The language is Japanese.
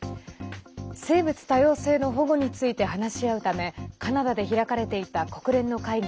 生物多様性の保護について話し合うためカナダで開かれていた国連の会議